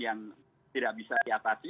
yang tidak bisa diatasi